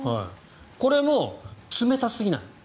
これも冷たすぎない。